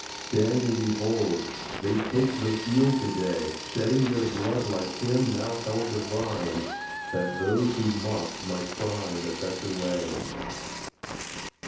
Stand and behold! They take the field today, Shedding their blood like Him now held divine, That those who mock might find a better way!